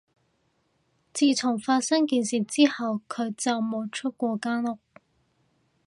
自從發生件事之後，佢就冇出過間屋